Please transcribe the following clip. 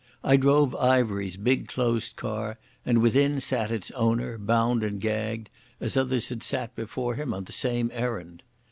I drove Ivery's big closed car, and within sat its owner, bound and gagged, as others had sat before him on the same errand.